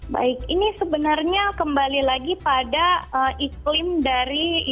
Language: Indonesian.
baik ini sebenarnya kembali lagi pada iklim dari